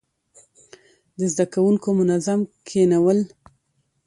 د زده کوونکو منظم کښينول،